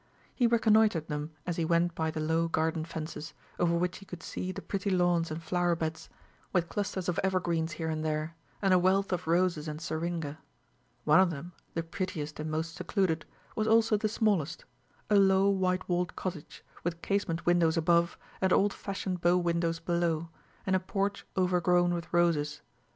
He reconnoitred them as he went by the low garden fences, over which he could see the pretty lawns and flower beds, with clusters of evergreens here and there, and a wealth of roses and seringa. One of them, the prettiest and most secluded, was also the smallest; a low white walled cottage, with casement windows above, and old fashioned bow windows below, and a porch overgrown with roses.